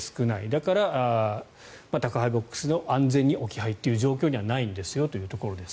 だから宅配ボックスの安全に置き配はないんですよというところです。